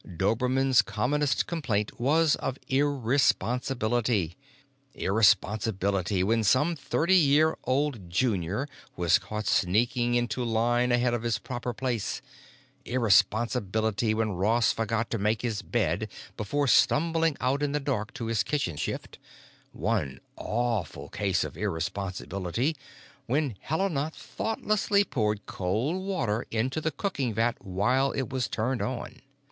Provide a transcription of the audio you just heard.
Dobermann's commonest complaint was of irresponsibility—irresponsibility when some thirty year old junior was caught sneaking into line ahead of his proper place, irresponsibility when Ross forgot to make his bed before stumbling out in the dark to his kitchen shift, one awful case of irresponsibility when Helena thoughtlessly poured cold water into the cooking vat while it was turned on.